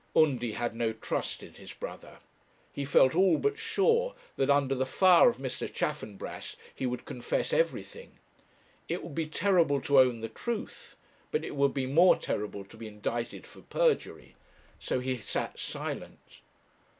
Undy had no trust in his brother. He felt all but sure that, under the fire of Mr. Chaffanbrass, he would confess everything. It would be terrible to own the truth, but it would be more terrible to be indicted for perjury. So he sat silent.